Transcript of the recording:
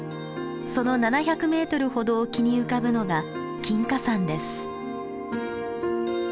その７００メートルほど沖に浮かぶのが金華山です。